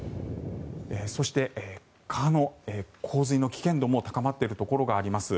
そして、川の洪水の危険度も高まっているところがあります。